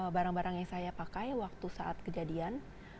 barang barang yang saya pakai waktu saat kejadian